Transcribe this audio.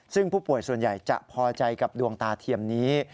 ซึ่งผู้ป่วยส่วนใหญ่จะพอใจกับดวงตาเทียมนี้